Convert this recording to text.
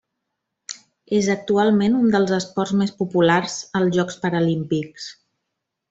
És actualment un dels esports més populars als Jocs Paralímpics.